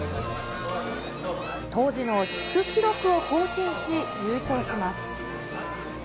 当時の地区記録を更新し、優勝します。